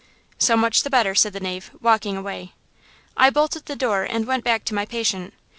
"'So much the better,' said the knave, walking away. "I bolted the door and went back to my patient.